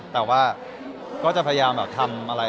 แต่ก็จะพยายามทำอะไร